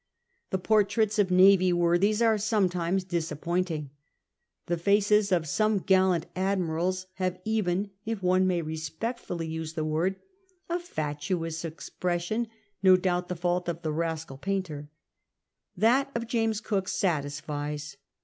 The por traits of naval worthies are sometimes disappointing — the faces of some gallant admirals have oven, if one may respectfully use the word, a fatuous expression, no doubt the fault of the rascal ^Kiinter. That of James Cook satisfies.